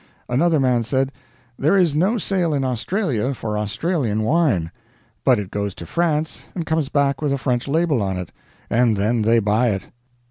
Another man said: "There is no sale in Australia for Australian wine. But it goes to France and comes back with a French label on it, and then they buy it."